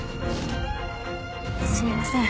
すみません。